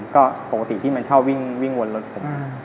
ก็ปกติที่มันชอบวิ่งวนรถผม